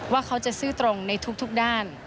ว่าเขาจะซื่อตรงในทุกด้าน